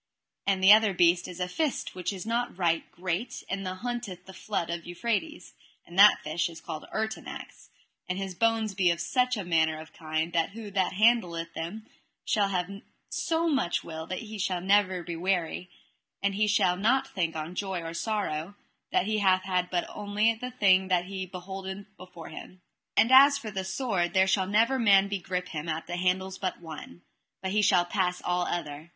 And the other beast is a fish which is not right great, and haunteth the flood of Euphrates; and that fish is called Ertanax, and his bones be of such a manner of kind that who that handleth them shall have so much will that he shall never be weary, and he shall not think on joy nor sorrow that he hath had but only that thing that he beholdeth before him. And as for this sword there shall never man begrip him at the handles but one; but he shall pass all other.